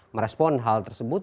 merespon hal tersebut